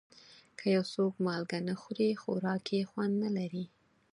که یو څوک مالګه نه خوري، خوراک یې خوند نه لري.